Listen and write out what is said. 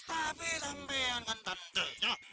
tapi sampean kan tantenya